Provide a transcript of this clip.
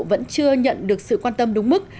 vẫn chưa nhận được sự quan tâm đúng mức